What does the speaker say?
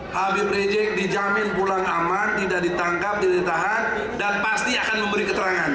habib rizik dijamin pulang aman tidak ditangkap tidak ditahan dan pasti akan memberi keterangan